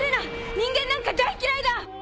人間なんか大っ嫌いだ！